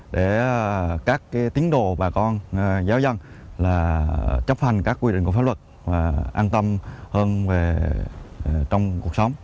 để các tiến đồ bà con giáo dân là chấp hành các quy định của pháp luật và an tâm hơn trong cuộc sống